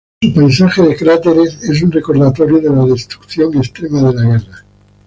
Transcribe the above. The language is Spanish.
Su paisaje de cráteres es un recordatorio de la destrucción extrema de la guerra.